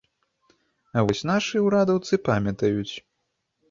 А вось нашы ўрадаўцы памятаюць!